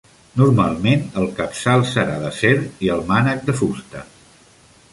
Normalment el capçal serà d'acer i el mànec de fusta.